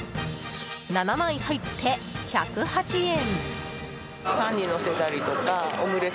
７枚入って１０８円。